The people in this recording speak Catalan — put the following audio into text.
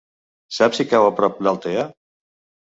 Saps si cau a prop d'Altea?